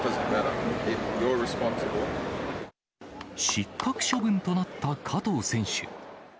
失格処分となった加藤選手。